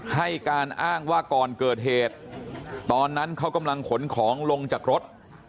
ให้การอ้างว่าก่อนเกิดเหตุตอนนั้นเขากำลังขนของลงจากรถ